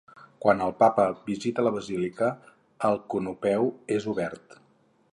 Quan el papa visita la basílica, el conopeu és obert.